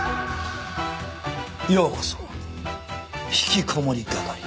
ようこそひきこもり係へ。